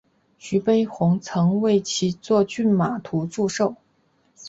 徐悲鸿曾为其作骏马图祝寿。